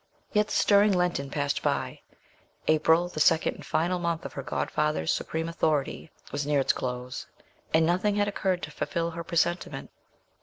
Yet the stirring Lent passed by; April, the second and final month of her godfather's supreme authority, was near its close; and nothing had occurred to fulfil her presentiment.